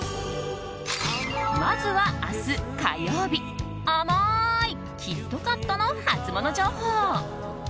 まずは、明日火曜日甘ーいキットカットのハツモノ情報。